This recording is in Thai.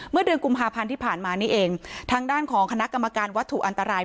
เดือนกุมภาพันธ์ที่ผ่านมานี่เองทางด้านของคณะกรรมการวัตถุอันตราย